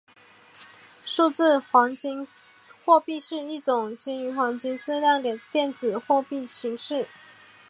数字黄金货币是一种基于黄金质量的电子货币形式。